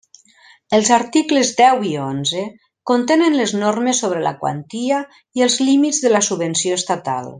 Els articles deu i onze contenen les normes sobre la quantia i els límits de la subvenció estatal.